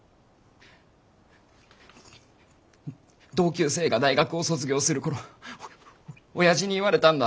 同級生が大学を卒業する頃親父に言われたんだ。